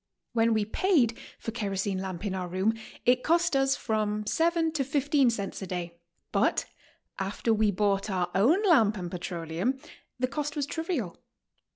When we paid for kerosene lamp in our room, it cost irs from 7 to 15 cents a day, but after we bought our own lamp and petroleum, the cost was trivial.